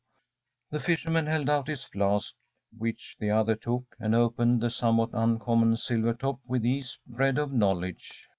‚ÄĚ The fisherman held out his flask, which the other took, and opened the somewhat uncommon silver top with ease bred of knowledge.